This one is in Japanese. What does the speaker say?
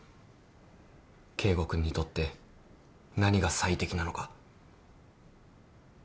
圭吾君にとって何が最適なのか。